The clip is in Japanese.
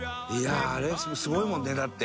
あれすごいもんねだって。